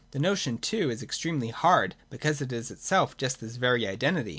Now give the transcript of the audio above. The notion, too, is extremely hard, because it is itself just this very identity.